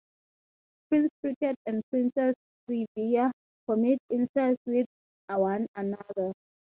Prince Pricket and Princess Swivia commit incest with one another.